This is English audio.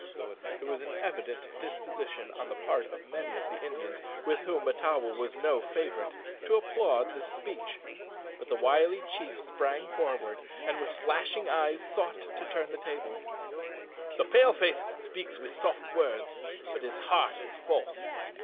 There was an evident disposition on the part of many of the Indians, with whom Mahtawa was no favourite, to applaud this speech; but the wily chief sprang forward, and, with flashing eyes, sought to turn the tables. "The Pale face speaks with soft words, but his heart is false.